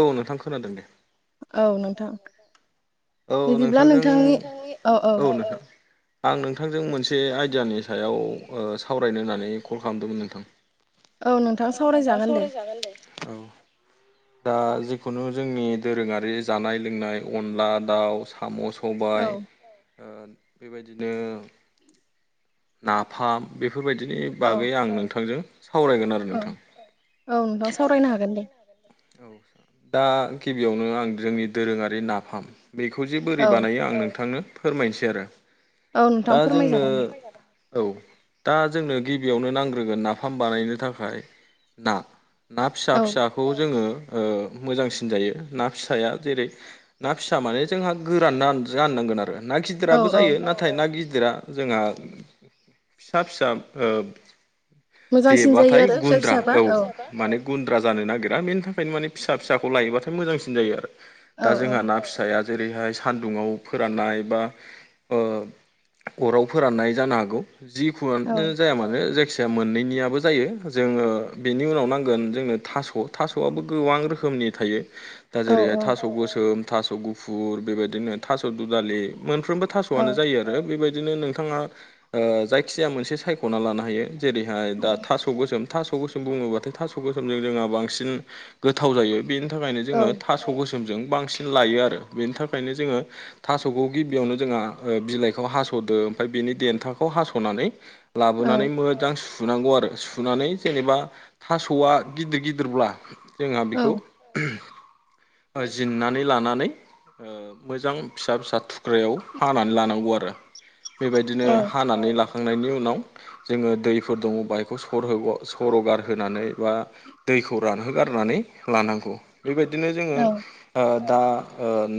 औ नोंथां खोनादों दे। औ नोंथां औ नोंथांजों औ नोंथां आं नोंथांजों मोनसे आइडियानि सायाव ओ सावरायनो होननानै कल खालामदोंमोन नोंथां। औ नोंथां सावरायजागोन दे। औ दा जिखुनु जोंनि दोरोङारि जानाय लोंनाय अनला दाउ, साम' सबाय, ओ बेबायदिनो ना फाम बेफोरबायदिनि बागै आं नोंथांजों सावरायगोन आरो नोंथां। औ नोंथां सावरायनो हागोन दे। दा गिबियावनो आं जोंनि दोरोङारि नाफाम बेखौ जे बोरै बानायो आं नोंथांनो फोरमायनोसै आरो। दा जोंनो औ दा जोंनो गिबियावनो नांग्रोगोन नाफाम बानायनो थाखाय ना। ना फिसा फिसाखौ जोङो ओ मोजांसिन जायो ना फिसाया जेरै ना फिसा माने जोंहा गोरानरान राननांगोन आरो ना गिदिराबो जायो आं नाथाय ना गिदिरा जोंहा फिसा फिसा देबाथाय गुन्द्रा औ माने गुन्द्रा जानो नागिरा बेनि थाखायनो माने फिसा फिसाखौ लायोबाथाय मोजांसिन जायो आरो। दा जोंहा ना फिसाया जेरैहाय सान्दुंङाव फोराननाय बा अराव जानो जिखुनयानो जाया मानो जायखि या मोननैनियाबो जायो जोङो बेनि उनाव नांगोन जोंनो थास'। थास'आबो गोबां रोखोमनि थायो दा जेरैहाय थास' गोसोम थास' गु फुर बेबायदिनो थास' दुदालि मोनफ्रोमबो थास'आनो जायो आरो। आरो बेबायदिनो नोंथाङा जायखिया मोनसे सायख'ना लानो हायो। जेरैहाय दा थास' गोसोम थास' गोसोम बुङोबाथाय थास' गोसोमजों जोंहा बांसिन गोथाव जायो बेनि थाखायनो जोंहा थास' गोसोम फोरजों बांसिन लायो आरो बेनि थाखायनो जोङो थास'खौ गिबियावनो जोंहा बिलाइखौ हास'दो ओमफाय बेनि देन्थाखौ हास'नानै लाबोनानै मोजां सुनांगौ आरो सुनानै जेनेबा थास'आ गिदिर गिदिरब्ला जोंहा बेखौ जिन्नानै लानानै मोजां फिसा फिसा थुख्रायाव हानानै लानांगौ आरो। बेबायदिनो हानानै लाखांनायनि उनाव जोङो दैफोर दङबा एखौ सरहग'-सर'गारहोनानै बा दैखौ रानहोगारनानै लानांगौ बेबायदिनो जोङो दा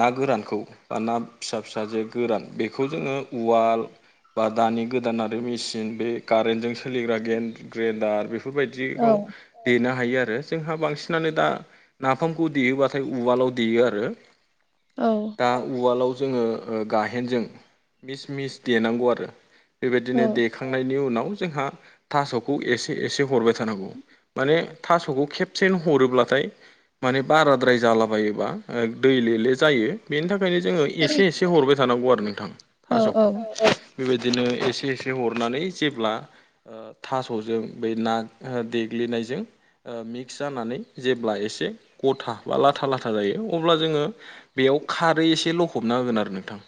ना गोरानखौ ना फिसा फिसा जे गोरान बेखौ जोङो उवाल बा दानि गोदानारि आरो मेसिन बे कारेन्टजों सो सोलिग्रा ग्रेन-ग्रेनडार बेफोरबायदिखौ देनो हायो आरो। जोंहा बांसिनानो दा नाफामखौ देयोबाथाय उवालाव देयो आरो। औ। दा उवालाव जोङो गाहेनजों मिस मिस देनांगौ आरो। बेबायदिनो देखांनायनि उनाव जोंहा थास'खौ एसे एसे हरबाय थानांगौ माने थासखौ खेबसेनो हरोब्लाथाय माने बाराद्राय जालाबायोबा दैलेले जायो। बेनि थाखायनो जोङो एसे एसे हरबाय थानांगौ आरो नोंथां थास'खौ। बेबायदिनो एसे एसे हरनानै जेब्ला थासजों बै ना देग्लिनायजों मि क्स जानानै जेब्ला एसे गथा बा लाथा लाथा जायो अब्ला जोङो बेयाव खारै एसे लखबना होगोन आरो नोंथां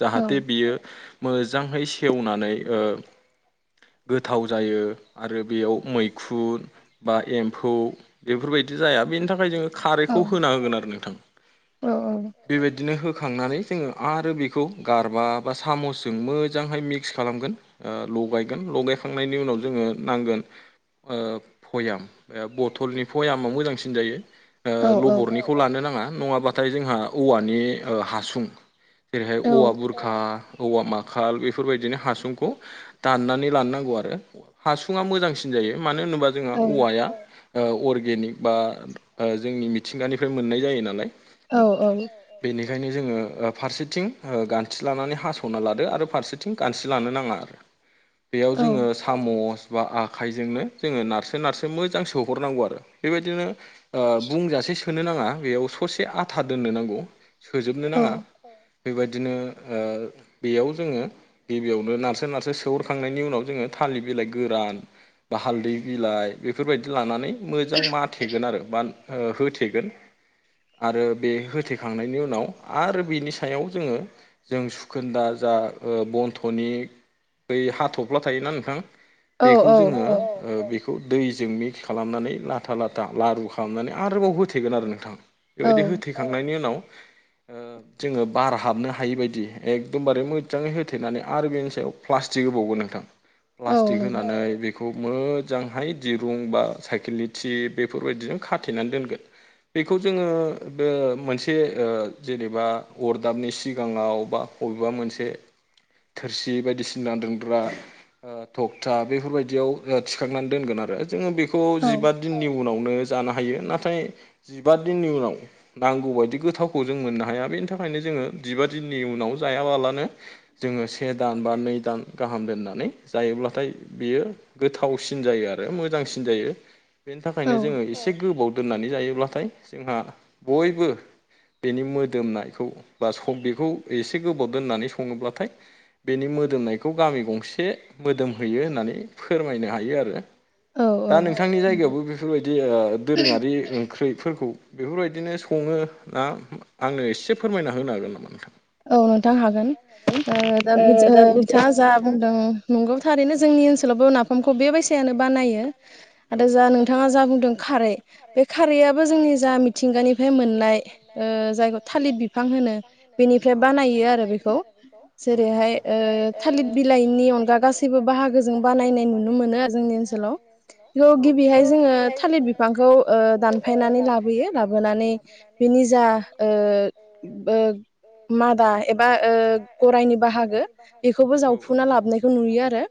जाहाथे बियो मोजांहै सेवनानै गोथाव जायो आरो बेयाव मैखुन बा एम्फौ बेफोरबायदि जाया बेनि थाखाय जोङो खारैखौ होना होगोन आरो नोंथां। औ औ। बिदिनो होखांनानै जोङो आरो बेखौ गारबा बा सामसजों मोजांहाय मिक्स खालामगोन। ओ लगायगोन लगायखां खांनायनि उनाव जोङो नांगोन भयाम ओ ब थलनि भयामा मोजांसिन जायो ओ लबरनि खौ लानो नाङा नङाबाथाय जोंहा औवानि ओ हासुं जेरैहाय औवा बुर खा औवा माखाल बेफोरबायदिनो हासुंखौ दाननानै लानो नांगौ आरो हासुङा मोजांसिन जायो मानो होनोबा जोंहा औवाया ओ अर्गेनिक बा ओ जोंनि मिथिंगानिफ्राय मोननाय जायो नालाय। औ औ। बेनिखायनो जोङो ओ फारसेथिं ओ गानथि लानानै हास'ना लादो आरो फारसेथिं गानथि लानो नाङा आरो। बेयाव जोङो सामस बा आखाइजोंनो जोङो नारसो नारसो मोजां सो हरनांगौ आरो बेबायदिनो ओ बुंजासे सोनो नाङा बेयाव ससे आथा दोननो नांगौ सोजोबनो नाङा बेबायदिनो ओ बेयाव जोङो गिबियावनो नारसो नारसो सोहरखांनायनि उनाव जोङो थालिर बिलाइ गोरान बा हालदै बिलाइ बेफोरबायदि लानानै मोजां माथेगोन आरो बा ओ होथेगोन। आरो बे होथेखांनायनि उनाव आरो बिनि सायाव जोङो जों सुखोन्दा जा ओ बन्थ'नि बै हाथफ्ला थायोना नोंथां बेखौ जोङो ओ बेखौ दैजोंनि खालामनानै लाथा लाथा लारु खालामनानै आरोबाव होथेगोन आरो नोंथां। बेबायदि होथेखांनायनि उनाव ओ जोङो बार हाबनो हायि बायदि एकदमबारे मोजाङै होथेनानै आरो बेनि सायाव प्लास्टिक होबावगोन नोंथां। प्लास्टिक होनानै बेखौ मोजांहाय दिरुं बा साइकेलनि थिफ बेफोरबायदिजों खाथेनानै दोनगोन। बेखौ जोङो बे मोनसे ओ जेनेबा अरदाबनि सिगाङाव बा अबेबा मोनसे थोरसि बायदिसिना दोनग्रा ओ थकथा बेफोरबायदिआव ओ थिखांनानै दोनगोन आरो जोङो बेखौ जिबा दिननि उनावनो जानो हायो नाथाय जिबा दिननि उनाव नांगौ बायदि गोथावखौ जों मोननो हाया बेनि थाखायनो जोङो जिबा दिननि उनाव जायाबालानो जोङो से दान बा नै दान गाहाम दोननानै जायोब्लाथाय बियो गोथावसिन जायो आरो मोजांसिन जायो। बेनि थाखायनो जोङो एसे गोबाव दोननानै जायोब्लाथाय जोंहा बयबो बेनि मोदोमनायखौ बा सब बेखौ एसे गोबाव दोननानै सङोब्लाथाय बेनि मोदोमनायखौ गामि गंसे मोदोमहैयो होननानै फोरमायनो हायो आरो। दा नोंथांनि जायगायावबो बेफोरबायदि दोरोङारि ओंख्रिफोरखौ बेफोरबायदिनो सङो ना आंनो एसे फोरमायना होनो हागोन नामा नोंथां? औ नोंथां हागोन ओ दा बिथ ओ बिथाङा जा बुंदों नंगौ थारैनो जोंनि ओनसोलावबो नाफामखौ बेबायसायानो बानायो। [inaudible] आरो जा नोंथाङा जा बुंदों खारै बे खारैयाबो जोंनि जा मिथिंगानिफ्राय मोननाय ओ जायखौ थालिर बिफां होनो बेनि बेनिफ्राय बानायो आरो बेखौ जेरैहाय ओ थालिर बिला अनगा गासैबो बाहागोजों बानायनाय नुनो मोनो आरो जोंनि ओनसोलाव। बेखौ गिबिहाय जोङो थालिर बिफांखौ ओ दानफायनानै लाबोयो लाबोनानै बेनि जा ओ ओ मादा एबा ओ गरायनि बाहागो बेखौबो जावफुना लाबोनायखौ नुयो आरो।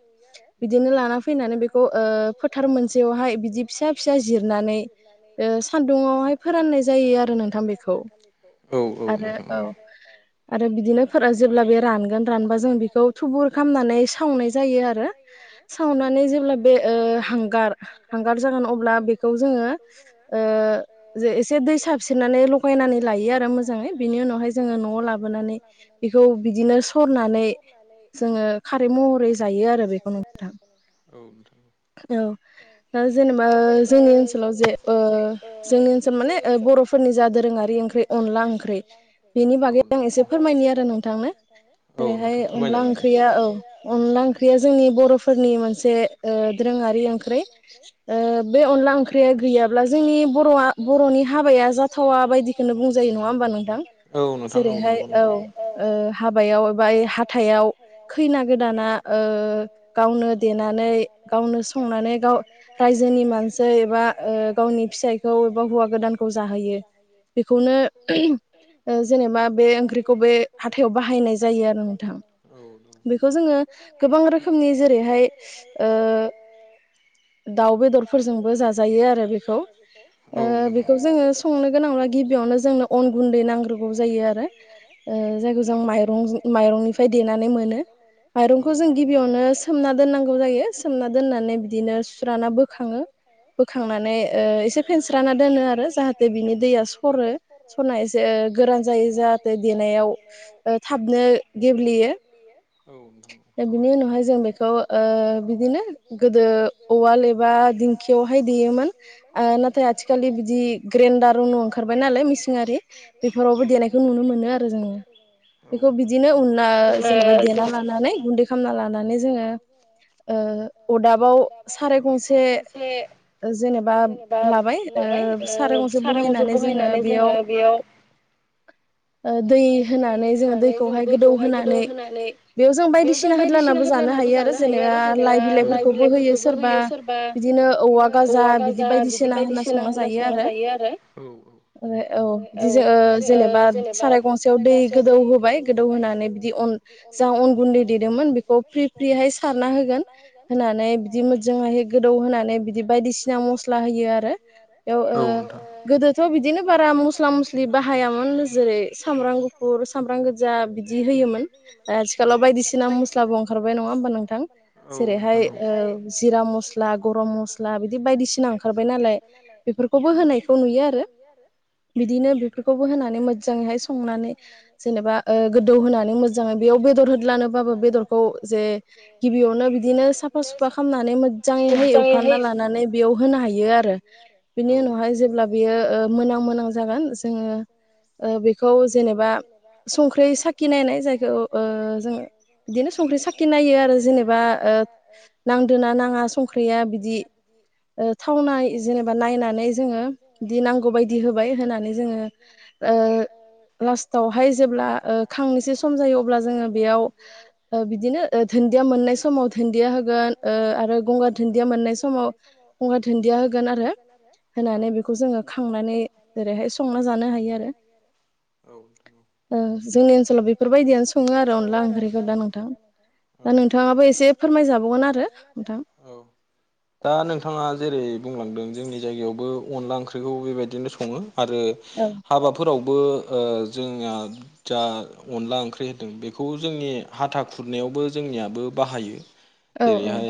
बिदिनो लाना फैनानै बेखौ ओ फोथार मोन सेयावहाय बिदि फिसा फिसा जिरनानै ओ सान्दुंआवहाय फोराननाय जायो आरो नोंथां बेखौ। औ औ नोंथां औ। आरो बिदिनो फोर जेब्ला बे रानगोन रानबा जों बेखौ थुबुर खालामनानै सावनाय जायो आरो। सावनानै जेब्ला बे ओ हांगार हांगार जागोन अब्ला बेखौ जोङो ओ एसे दै साबसिननानै लगायनानै लायो आरो मोजाङै बिनि उनावहाय जों जोङो न'आव लाबोनानै बेखौ बिदिनो सरनानै जोङो खारै महरै जायो आरो बेखौ नोंथां। औ औ दा जेनेबा जोंनि ओनसोलाव जेबो जोंनि ओनसोल माने ओ बर' फोरनि जा दोरोङारि ओंख्रि अनला ओंख्रि औ नोंथां औ नोंथां फोरमायजागोन दे। औ अनला ओंख्रिया जोंनि बर'फोरनि मोनसे ओ दोरोङारि ओंख्रि। ओ बे अनला ओंख्रिया गैयाब्ला जोंनि बर'आ बर'नि हाबाया जा थावा बायदिखौनो बुंजायो नंआ होमबा नोंथां? जेरैहाय औ ओ हाबायाव एबा हाथायाव खैना गोदाना ओ गावनो देनानै गावनो सं संनानै गाव रायजोनि मानसै एबा ओ गावनि फिसायखौ एबा हौवा गोदानखौ जाहोयो। बेखौनो ओ जेनेबा बे ओंख्रिखौ बे हाथायाव बाहायनाय जायो आरो नोंथां। बेखौ जोङो गोबां रोखोमनि जेरैहाय ओ दाउ बेदर फोरजोंबो जाजायो आरो बेखौ ओ बेखौ जोङो संनो गोनांब्ला गिबियावनो जोंनो अन गुन्दै नांग्रोगौ जायो आरो। ओ जायखौ जों माइरंज माइरंनिफ्राय देनानै मोनो। माइरंखौ जों गिबियावनो सोमना दोननांगौ जायो सोमना दोननानै बिदिनो सुस्राना बोखाङो बोखांनानै ओ एसे फेनस्राना दोनो आरो जाहाथे बेनि दैआ स सरो सरनायसो गोरान जायो जाहाथे देनायाव ओ थाबनो गेब्लेयो ओ बिनि उनावहाय जों बेखौ ओ बिदिनो गोदो उवाल एबा दिंखियावहाय देयोमोन। ओ नाथाय आथिखलि बिदि ग्रेन्डार उनु ओंखारबाय नालाय मिसिनआरि हरावबो देनायखौ नुनो मोनो आरो जोङो बेखौ बिदिनो उनला जेनबा देना नानै गुन्दै खालामना लानानै जोङो ओ अदाबाव साराय गंसे ओ जेनेबा लाबाय ओ साराइ गंसे बहायनानै जोङो बेयाव ओ दै होनानै जोङो दैखौहाय गोदौहोनानै बेयाव जों बायदिसिना होद्लानाबो जानो हायो आरो जेनेबा लाइ बिलाइफोरखौबो होयो सोरबा बिदिनो औवा गाजा बिदि बायदिसिना होनना संना जायो आरो। ओ औ दिजो जेनेबा साराय गंस सेयाव दै गोदौ होबाय गोदौ होनानै बिदि अन जों अन गुन्दै देदोंमोन बेखौ फ्रि फ्रिहाय सारना होगोन होनानै बिदि मोजायै गोदौ होनानै बिदि बायदिसिना मस्ला होयो आरो बेयाव ओ गोदोथ' बिदिनो बारा मस्ला मस्लि स्लि बाहायामोन जेरै सामब्राम गुफु फुर सामब्राम गोजा बिदि होयोमोन ओ आथिखालाव बायदिसिना मस्लाबो ओंखारबाय नङा होमबा नोंथां? जेरैहाय ओ जिरा मस्ला गरम मस्ल ला बिदि बायदिसिना ओंखारबाय नालाय बेफोरखौबो होनायखौ नुयो आरो। बिदिनो बेफोरखौबो होनानै मोजाङैहाय संनानै जेनेबा ओ गोदौ होनानै मोजाङै बेयाव बेदर होदलानो बाबो बेदरखौ जे गिबियावनो बिदिनो साफा सुफा खालामनानै मोजाङैहाय एवफ्राम लानानै बेयाव होनो हायो आरो बिनि उनावहाय जेब्ला बेयो ओ मोनां मोनां जागोन जोंङो बेखौ ज जेनेबा संख्रि साखि नायनाय जायखौ ओ जोंङो बिदिनो संख्रि साखि नायो आरो जेनेबा ओ नांदोना नाङा संख्रिया बिदि ओ थावनाय जेनेबा नायनानै जोंङो बि नांगौ बायदि होबाय होनानै जोंङो ओ नस हाय जेब्ला खांनैसो सम जायो अब्ला जोंङो बेयाव बिदिनो दुन्दिया मोननाय समाव दुन्दिया होगोन आरो गंगार दुन्दिया मोननाय सम समाव गंगार दुन्दिया होगोन आरो होनानै बेखौ जोंङो खांनानै जेरैहाय संना जानो हायो आरो औथ ओ जोंनि ओनसोलाव बेफोरबायदियानो सङो आरो अनला ओंख्रिखौ दा नोंथां दा नोंथाङाबो एसे फोरमाय जाबावगोन आरो नोंथां दा नोंथाङा जेरै बुंलांदों जोंनि जायगायावबो अनला ओंख्रिखौ बेबायदिनो संङो आरो औ हाबाफोरावबो ओ जोंनिया जा अनला ओंख्रि होदों बेखौ जोंनि हाथा खुरनायावबो जोंनियाबो बाहायो जेरैहाय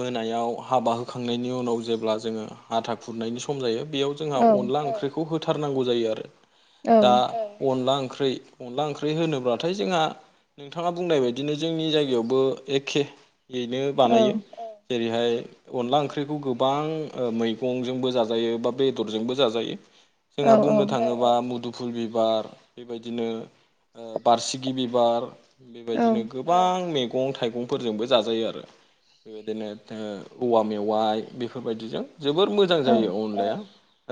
मोनायाव हाबा होखांनायनि उनाव जेब्ला जोंङो हाथा खुरनायनि सम जायो बेयाव जोंहा अनला ओंख्रिखौ होथारनांगौ जायो आरो दा अनला ओंख्रि अनला ओंख्रि होनोब्लाथाय जोंहा नोंथांङा बुंनाय बायदिनो जोंनि जायगायावबो एखेयनो बानायो जेरैहाय अनला ओंख्रिखौ गोबां ओ मैगंजोंबो जाजायो बा बेदरजोंबो बाजारो। जोंहा बुंनो थाङोब्ला मुदुुब फुल बिबार बेबायदिनो बारसिगि बिबार बेबायदिनो गोबां मैगं थाइगंफोरजोंबो जाजायो आरो बेबायदिनो औवा मेवाइ बेफोरबायदिजों जोबोर मोजां मोजां जायो अनलाया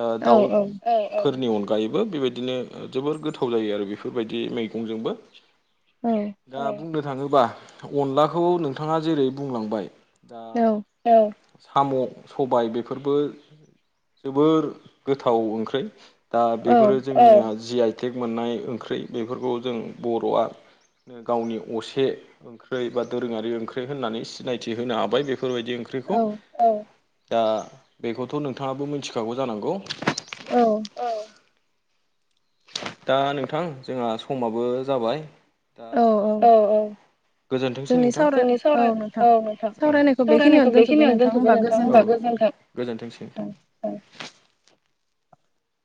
ओदाउफोरनि अनगायैबो बेबायदि बिदिनो जोबोर गोथाव जायो आरो बेफोरबायदि मैगंजोंबो औ दा बुंनो थाङोबा अनलाखौ नोंथांआ जेरै बुंलांबाय दा औ साम' सबाय बेफोरबो जोबोर गोथाव ओंख्रि दा बेफोरो औ जोंनिया जि आइटेक मोननाय ओंख्रि बेफोरखौ जों बर'आ गावनि असे ओंख्रै बा दोरोङारि ओंख्रि होननानै सिनायथि होनो हाबाय बेफोरबायदि ओं ओंख्रिखौ दा बेखौथ' नोंथाङाबो मिथिखागौ जानांगौ औ दा नोंथां जोंहा समाबो जाबाय दा औ औ गोजोनथोंसै नोंथां जोंनि औ नोंथां औ सावरायनायखौ बेखिनियावनो दोनथ'बाय नोंथां हबा गोजोनथों। गोजोन्थोंसै औ